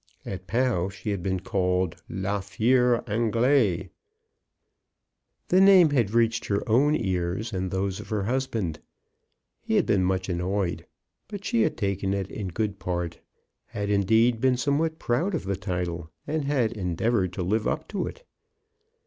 At Pau she had been called La Fiere 12 CHRISTMAS AT THOMPSON HALL. Anglaise. The name had reached her own • ears and those of her husband. He had been much annoyed, but she had taken it in good part — had, indeed, been somewhat proud of the title — and had endeavored to live up to it.